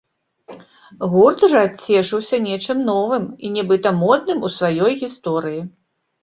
Гурт жа цешыўся нечым новым і нібыта модным у сваёй гісторыі.